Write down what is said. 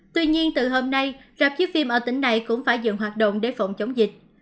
tuy nhiên từ hôm nay rạp chiếu phim ở tỉnh này cũng phải dừng hoạt động để phòng chống dịch